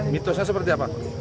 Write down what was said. mitosnya seperti apa